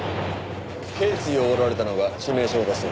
頸椎を折られたのが致命傷だそうです。